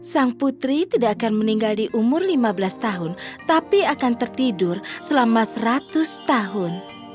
sang putri tidak akan meninggal di umur lima belas tahun tapi akan tertidur selama seratus tahun